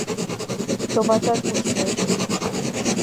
Товатат пуштеш!